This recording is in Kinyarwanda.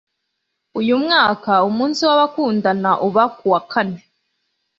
Uyu mwaka, umunsi w'abakundana uba ku wa kane.